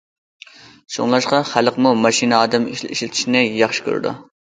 شۇڭلاشقا خەلقمۇ ماشىنا ئادەم ئىشلىتىشنى ياخشى كۆرىدۇ.